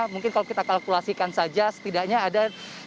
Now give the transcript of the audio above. mungkin kalau kita kalkulasikan saja setidaknya ada dua delapan ratus